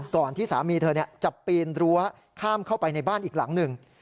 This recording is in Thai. ที่สามีเธอจะปีนรั้วข้ามเข้าไปในบ้านอีกหลังหนึ่ง